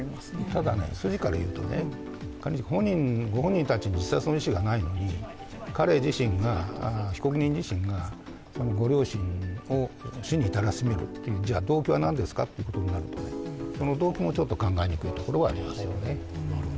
ただ、筋からいうと、ご本人たちに自殺の意思がないのに彼自身が、被告人自身がご両親を死に至らしめる、じゃ、動機は何ですかということを考えると、動機も考えにくいところはありますよね。